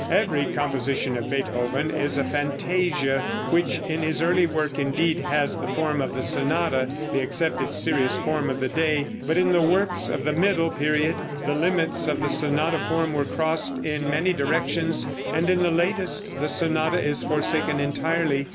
Every composition of Beethoven is a fantasia, which in his earlier work indeed has the form of the sonata, the accepted serious form of the day; but in the works of the middle period, the limits of the sonata form were crossed in many directions, and in the latest the sonata is forsaken entirely.